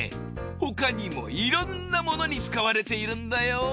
他にもいろんなものに使われているんだよ。